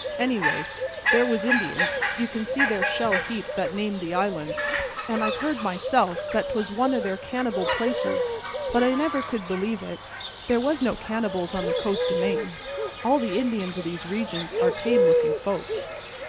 "Anyway, there was Indians you can see their shell heap that named the island; and I've heard myself that 'twas one o' their cannibal places, but I never could believe it. There never was no cannibals on the coast o' Maine. All the Indians o' these regions are tame looking folks."